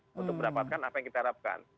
untuk mendapatkan apa yang kita harapkan